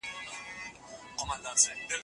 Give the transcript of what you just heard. دا کتابتون ډېر تاريخي ارزښت لري.